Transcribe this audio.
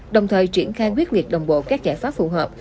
đồng thời triển khai quyết liệt đồng bộ các giải pháp phù hợp